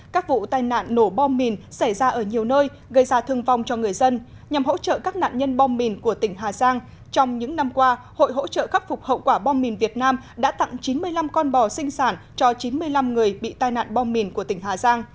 các vụ tai nạn nổ bom mìn xảy ra ở nhiều nơi gây ra thương vong cho người dân nhằm hỗ trợ các nạn nhân bom mìn của tỉnh hà giang trong những năm qua hội hỗ trợ khắc phục hậu quả bom mìn việt nam đã tặng chín mươi năm con bò sinh sản cho chín mươi năm người bị tai nạn bom mìn của tỉnh hà giang